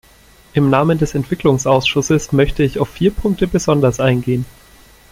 Im Namen des Entwicklungsausschusses möchte ich auf vier Punkte besonders eingehen.